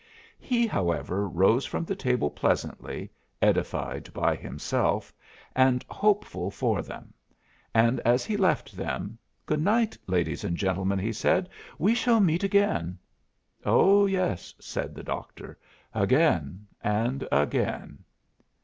He, however, rose from the table pleasantly edified by himself, and hopeful for them. And as he left them, "Good night, ladies and gentlemen," he said; "we shall meet again." "Oh yes," said the Doctor. "Again and again."